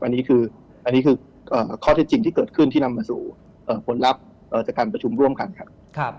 อันนี้คืออันนี้คือข้อเท็จจริงที่เกิดขึ้นที่นำมาสู่ผลลัพธ์จากการประชุมร่วมกันครับ